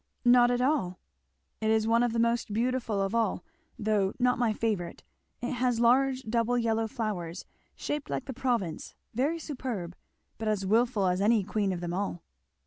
"Not at all." "It is one of the most beautiful of all, though not my favourite it has large double yellow flowers shaped like the Provence very superb, but as wilful as any queen of them all."